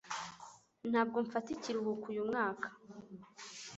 Ntabwo mfata ikiruhuko uyu mwaka.